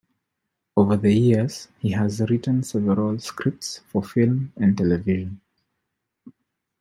Over the years, he has written several scripts for film and television.